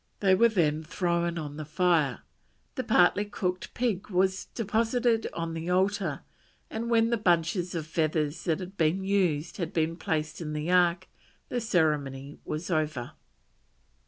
They were then thrown on the fire, the partly cooked pig was deposited on the altar, and when the bunches of feathers that had been used had been placed in the Ark, the ceremony was over.